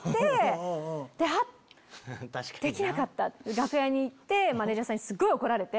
楽屋に行ってマネジャーさんにすっごい怒られて。